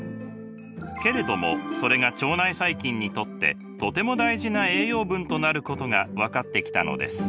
けれどもそれが腸内細菌にとってとても大事な栄養分となることが分かってきたのです。